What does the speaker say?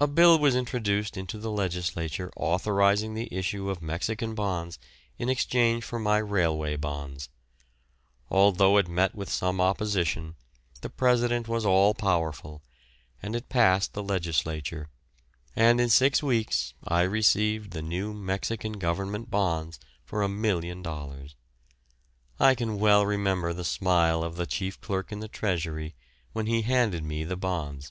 A bill was introduced into the Legislature authorising the issue of Mexican bonds in exchange for my railway bonds. Although it met with some opposition, the President was all powerful, and it passed the Legislature, and in six weeks I received the new Mexican government bonds for £1,000,000. I can well remember the smile of the chief clerk in the Treasury when he handed me the bonds.